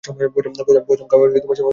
পসাম খাওয়ার সময় হয়েছে!